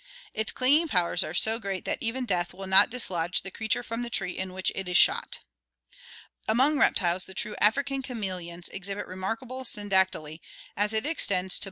Its clinging powers are so great that even death will not dislodge the creature from the tree in which it is shot. Among reptiles, the true African chameleons (Chameleon, see Fig. 74) exhibit remarkable syndactyly, as it extends to both fore FlO.